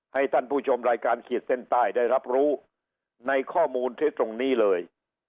ให้ท่านผู้ชมรายการขีดเส้นใต้ได้รับรู้ในข้อมูลที่ตรงนี้เลย